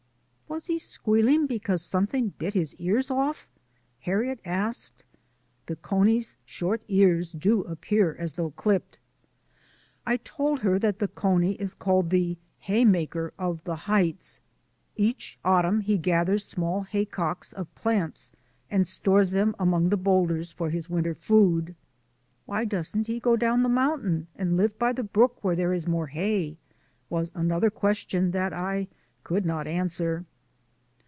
"Was he squealing because something bit his ears off?" Harriet asked. The cony's short ears do appear as though clipped. I told her that the cony is called the " hay maker of the heights"; each autumn he gathers HARRIET— LITTLE MOUNTAIN CLIMBER 235 small haycocks of plants and stores them among the boulders for his winter food. "Why doesn't he go down the mountain and live by the brook where there is more hay?" was an other question that I could not answer.